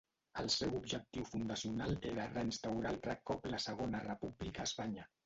El seu objectiu fundacional era reinstaurar altre cop la segona república a Espanya.